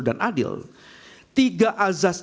dan adil tiga azas